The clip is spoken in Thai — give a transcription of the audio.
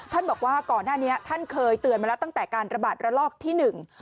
บอกว่าก่อนหน้านี้ท่านเคยเตือนมาแล้วตั้งแต่การระบาดระลอกที่หนึ่ง